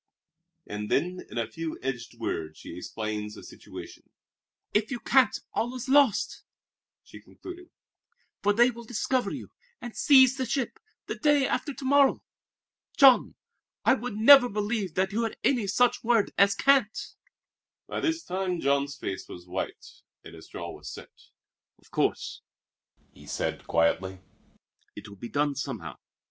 And then, in a few edged words, she explained the situation. "If you can't, all is lost," she concluded, "for they will discover you, and seize the ship, the day after to morrow. Jean, I would never believe that you had any such word as 'can't.'" By this time Jean's face was white and his jaw was set. "Of course," he said quietly, "it will be done somehow.